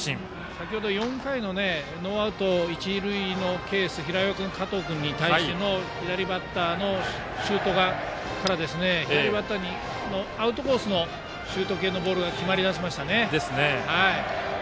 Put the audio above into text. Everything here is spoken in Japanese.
先ほど４回のノーアウト一、二塁のケース平岩君、加藤君に対しての左バッターにアウトコースのシュート系のボールが決まり出しましたね。